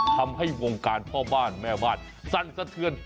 ทำให้วงการพ่อบ้านแม่บ้านสั่นสะเทือน